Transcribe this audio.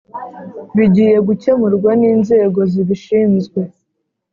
bigiye gukemurwa n inzego zibishinzwe